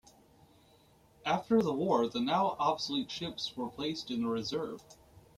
After the war, the now obsolete ships were placed in the reserve.